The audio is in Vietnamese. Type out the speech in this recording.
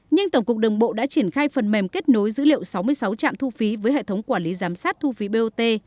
nhưng tổng cục đường bộ đã triển khai phần mềm kết nối dữ liệu sáu mươi sáu trạm thu phí với hệ thống quản lý giám sát thu phí bot